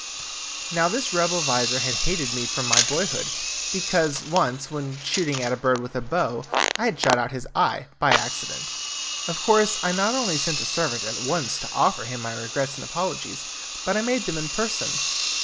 Now this rebel vizir had hated me from my boy hood, because once, when shooting at a bird with a bow, I had shot out his eye by accident. Of course I not only sent a servant at once to offer him my regrets and apologies, but I made them in person.